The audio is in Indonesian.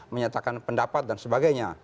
menyatakan pendapat dan sebagainya